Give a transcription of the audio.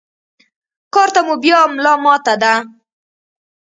کار ته مو بيا ملا ماته ده.